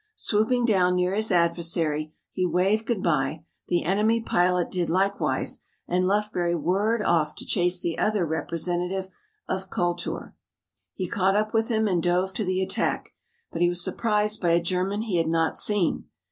Swooping down near his adversary he waved good bye, the enemy pilot did likewise, and Lufbery whirred off to chase the other representative of Kultur. He caught up with him and dove to the attack, but he was surprised by a German he had not seen.